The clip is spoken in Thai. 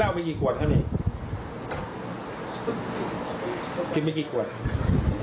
กินไปกี่กวน